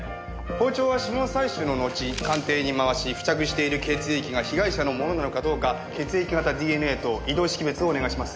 包丁は指紋採取の後鑑定に回し付着している血液が被害者のものなのかどうか血液型ＤＮＡと異同識別をお願いします。